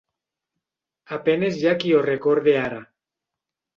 A penes hi ha qui ho recorde ara.